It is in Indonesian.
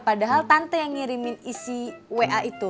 padahal tante yang ngirimin isi wa itu